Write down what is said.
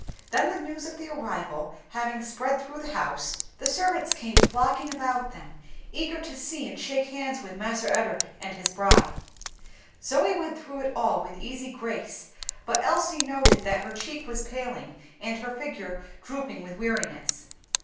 Then the news of the arrival having spread through the house, the servants came flocking about them, eager to see and shake hands with "Marse Ed'ard" and his bride. Zoe went through it all with easy grace, but Elsie noted that her cheek was paling and her figure drooping with weariness.